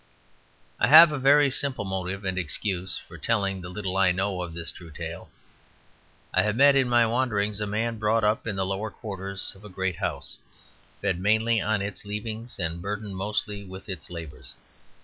I have a very simple motive and excuse for telling the little I know of this true tale. I have met in my wanderings a man brought up in the lower quarters of a great house, fed mainly on its leavings and burdened mostly with its labours.